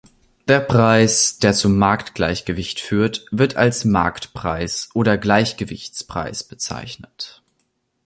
Der Preis, der zum Marktgleichgewicht führt, wird als Marktpreis oder "Gleichgewichtspreis" bezeichnet.